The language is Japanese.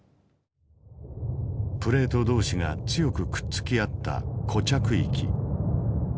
プレート同士が強くくっつき合った固着域。